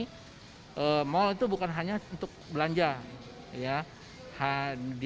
kayak moda hiburan lah ya karena kita lihat kondisi sekarang ini